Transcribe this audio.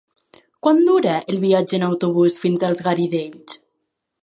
Quant dura el viatge en autobús fins als Garidells?